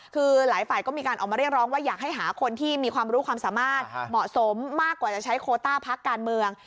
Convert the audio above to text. คือหลายฝ่ายก็มีการออกมาเรียกร้องว่าอยากให้หาคนที่มีความรู้ความสามารถเหมาะสมมากกว่าจะใช้โคต้าพักการเมือง